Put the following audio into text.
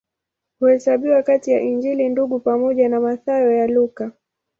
Huhesabiwa kati ya Injili Ndugu pamoja na Mathayo na Luka.